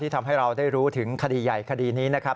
ทำให้เราได้รู้ถึงคดีใหญ่คดีนี้นะครับ